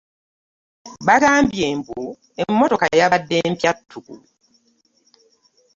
Bagambye mbu emmotoka yabadde mpya ttuku.